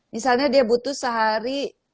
misalnya dia butuh sehari